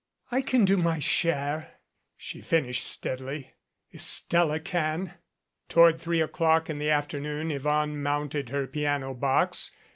"I can do my share," she finished steadily, "if Stella can." Toward three o'clock of the afternoon Yvonne mounted her piano box.